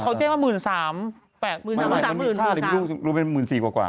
เขาเจ้าว่าหมื่นสามแปลกหมื่นสามมีค่าหรือไม่รู้รู้เป็นหมื่นสี่กว่ากว่า